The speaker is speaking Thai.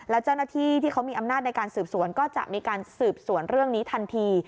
แล้วเจ้าหน้าที่ที่เขามีอำนาจในการสืบสวนก็จะมีการสืบสวนเรื่องนี้ทันที